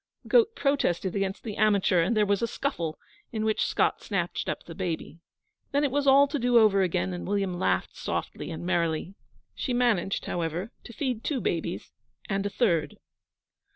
The goat protested against the amateur, and there was a scuffle, in which Scott snatched up the baby. Then it was all to do over again, and William laughed softly and merrily. She managed, however, to feed two babies, and a third.